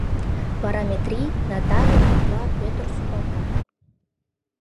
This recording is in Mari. Вара Метрий, Натале, Пӧкла, Пӧтыр сукалтат.